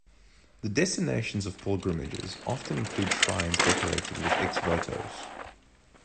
The destinations of pilgrimages often include shrines decorated with ex-votos.